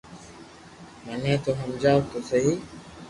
مني تو ھمجاو تو سھي